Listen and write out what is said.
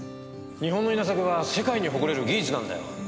日本の稲作は世界に誇れる技術なんだよ。